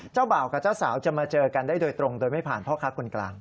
เจ้าเบากันเจอตรงโดยไม่ผ่านพ่อครักษ์กรรม